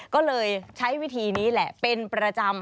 ก็เลยใช้วิธีนี้แหละเป็นประจำ